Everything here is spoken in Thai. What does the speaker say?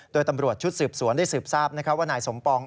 โดยตำรวจชุดสืบสวนได้สืบทราบว่านายสมปอง